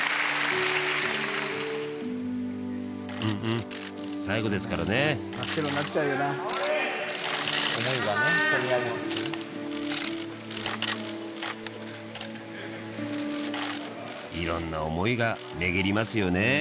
うんうん最後ですからねいろんな思いが巡りますよね